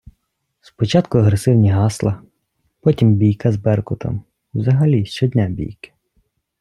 Спочатку агресивні гасла, потім бійка з Беркутом, взагалі щодня бійки.